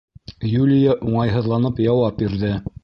Юлия уңайһыҙланып яуап бирҙе: